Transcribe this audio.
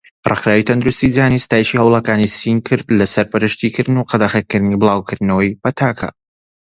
ڕێخراوی تەندروستی جیهانی ستایشی هەوڵەکانی سین کرد لە سەرپەرشتی کردن و قەدەغەکردنی بڵاوبوونەوەی پەتاکە.